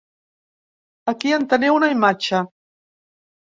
Aquí en teniu una imatge.